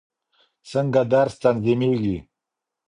څنګه درس تنظیمېږي؟